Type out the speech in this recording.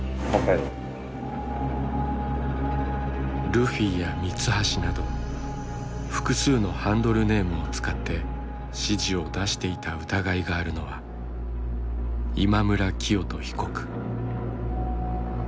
ルフィやミツハシなど複数のハンドルネームを使って指示を出していた疑いがあるのは今村磨人被告。